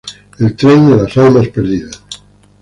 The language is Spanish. El Tren de las Almas Perdidas